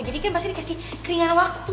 jadi kan pasti dikasih keringan waktu